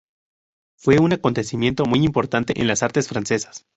Fue un acontecimiento muy importante en las artes francesas.